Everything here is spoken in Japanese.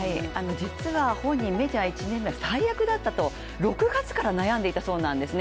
実は、本人メジャー１年目は最悪だったと６月から悩んでいたそうなんですね。